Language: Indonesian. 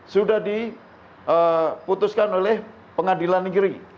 sudah diputuskan oleh pengadilan negeri